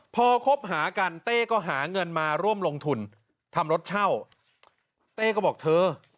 พอคบหากันเต้ก็หาเงินมาร่วมลงทุนทำรถเช่าเต้ก็บอกเธอ